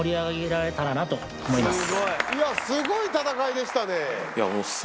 いやすごい戦いでしたね。